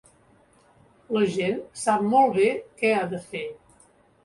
La gent sap molt bé què ha de fer.